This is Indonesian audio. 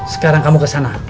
sekarang kamu kesana